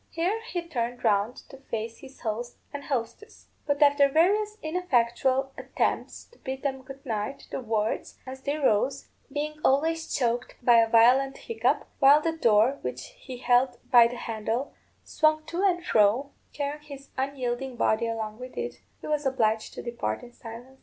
Here he turned round to face his host and hostess; but after various ineffectual attempts to bid them good night, the words, as they rose, being always choked by a violent hiccup, while the door, which he held by the handle, swung to and fro, carrying his unyielding body along with it, he was obliged to depart in silence.